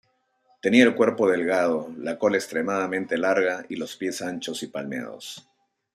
Tenía el cuerpo delgado, la cola extremadamente larga y los pies anchos y palmeados.